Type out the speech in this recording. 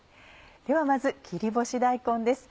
ではまず切り干し大根です。